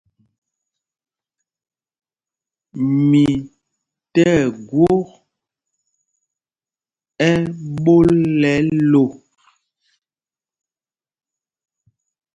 Mi tí ɛgwok ɛ́ɓól ɛ lō.